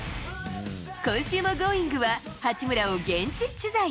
今週もＧｏｉｎｇ！は八村を現地取材。